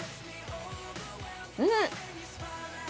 うん！